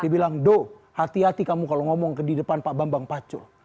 dibilang doh hati hati kamu kalo ngomong ke di depan pak bambang pacul